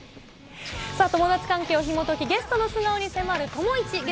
さあ、友達関係をひもとき、ゲストの素顔に迫る友イチ。